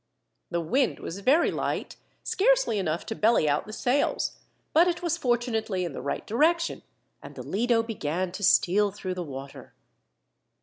The wind was very light, scarcely enough to belly out the sails, but it was fortunately in the right direction, and the Lido began to steal through the water.